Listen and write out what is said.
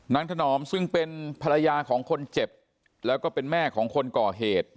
นางถนอมซึ่งเป็นภรรยากับคนเจ็บและแม่ของคนก่อเหตุ